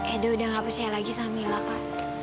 edo udah gak percaya lagi sama mila kak